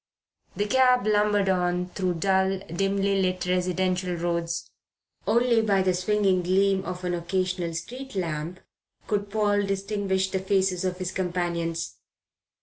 The cab lumbered on through dull, dimly lit, residential roads. Only by the swinging gleam of an occasional street lamp could Paul distinguish the faces of his companions.